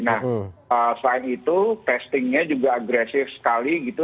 nah selain itu testingnya juga agresif sekali gitu